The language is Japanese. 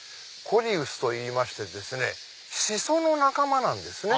コリウスといいましてですねシソの仲間なんですね。